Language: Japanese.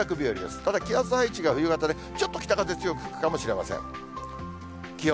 ただ気圧配置が冬型で、ちょっと北風が強く吹くかもしれません。